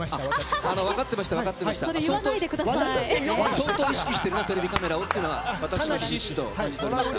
相当意識してるなテレビカメラをっていうのはひしひしと感じていました。